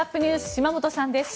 島本さんです。